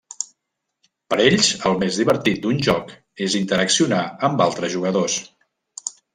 Per ells el més divertit d'un joc és interaccionar amb altres jugadors.